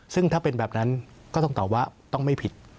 ซึ่งถ้าเป็นแบบนั้นก็ต้องตอบว่าต้องไม่ผิด